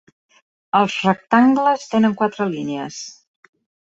Els rectangles tenen quatre línies.